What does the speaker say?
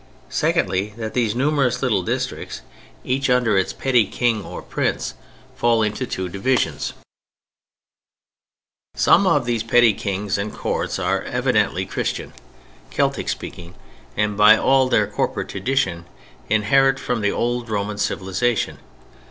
Secondly, that these numerous little districts, each under its petty king or prince, fall into two divisions: some of these petty kings and courts are evidently Christian, Celtic speaking and by all their corporate tradition inherit from the old Roman civilization.